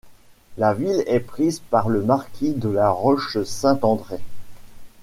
La ville est prise par le marquis de la Roche-Saint-André.